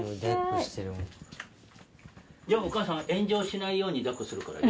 じゃあお母さん炎上しないように抱っこするからね。